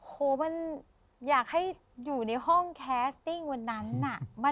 คุณมีพี่อธกลัว